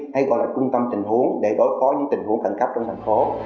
hay gọi là trung tâm trình huống để đối phó những tình huống khẳng cấp trong thành phố